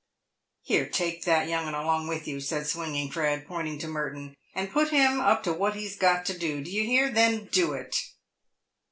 " Here, take that young 'un along with you," said Swinging Fred, pointing to Merton, " and put him up to what he's got to do. Do you hear ?— then do it."